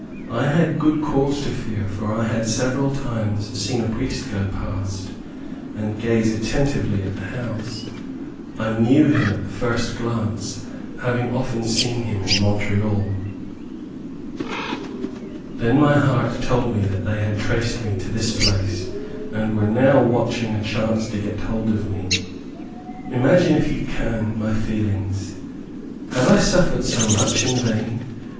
I had good cause to fear, for I had several times seen a priest go past, and gaze attentively at the house. I knew him at the first glance, having often seen him in Montreal. Then my heart told me that they had traced me to this place, and were now watching a chance to get hold of me. Imagine, if you can, my feelings. Had I suffered so much in vain?